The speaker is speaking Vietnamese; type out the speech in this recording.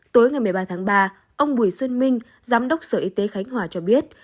tối ngày một mươi ba tháng ba ông bùi xuân minh giám đốc sở y tế khánh hòa cho biết